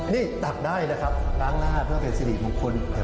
นี่ตัดได้ละครับล้างล่าเพื่อเป็นศิริขบุคคล